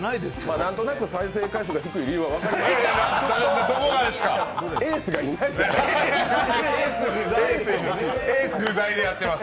何となく再生回数が低い理由が分かります。